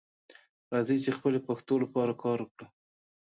راځئ چې خپلې پښتو لپاره کار وکړو